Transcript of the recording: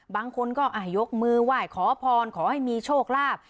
บางคนก็ยกมือไหว้ขอพรขอให้มีโชคลาภ